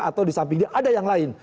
atau di samping dia ada yang lain